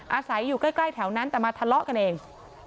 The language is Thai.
อาศัยอยู่ใกล้แถวนั้นแต่มาทะเลาะกันเอง